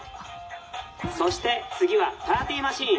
そして次はパーティーマシーン。